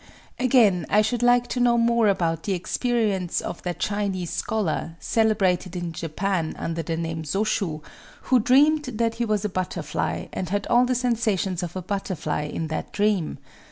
Again, I should like to know more about the experience of that Chinese scholar, celebrated in Japan under the name Sōshū, who dreamed that he was a butterfly, and had all the sensations of a butterfly in that dream.